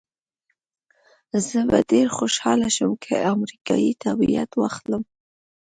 زه به ډېره خوشحاله شم که امریکایي تابعیت واخلم.